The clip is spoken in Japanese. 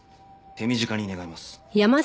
手短に願います。